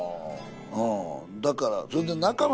うんだから。